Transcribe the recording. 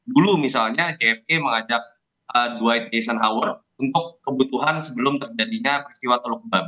dulu misalnya jfk mengajak dwight d s howard untuk kebutuhan sebelum terjadinya peristiwa teluk babi